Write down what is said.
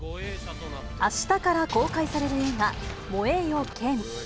あしたから公開される映画、燃えよ剣。